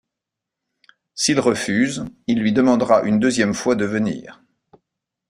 S'il refuse, il lui demandera une deuxième fois de venir.